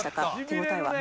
手応えは。